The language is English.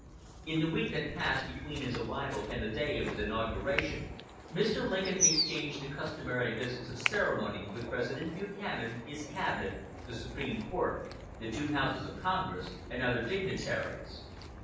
In the week that passed between his arrival and the day of his inauguration Mr. Lincoln exchanged the customary visits of ceremony with President Buchanan, his cabinet, the Supreme Court, the two houses of Congress, and other dignitaries.